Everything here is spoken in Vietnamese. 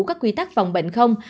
các quy tắc phòng bệnh không